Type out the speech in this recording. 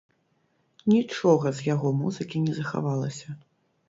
Нічога з яго музыкі не захавалася.